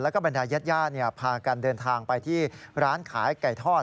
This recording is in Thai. แล้วก็บรรดายาดพากันเดินทางไปที่ร้านขายไก่ทอด